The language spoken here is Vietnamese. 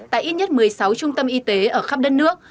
tại ít nhất một mươi sáu trung tâm y tế ở khắp đất nước